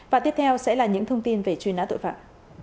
và tiếp theo sẽ là những thông tin về truy nã tội phạm